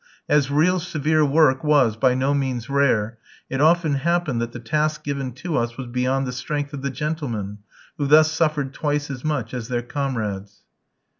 As real severe work was by no means rare, it often happened that the task given to us was beyond the strength of the gentlemen, who thus suffered twice as much as their comrades.